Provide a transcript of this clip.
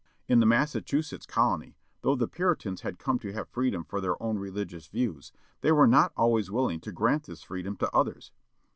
In the Massachusetts colony, though the Ptrritans had come to have freedom for their own religious views, they were not always willing to grant this freedom to others.